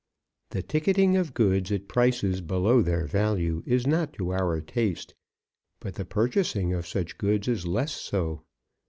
The ticketing of goods at prices below their value is not to our taste, but the purchasing of such goods is less so.